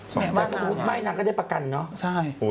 สำหรับพุชรวาบบ้านนางก็ได้ประกันเนาะ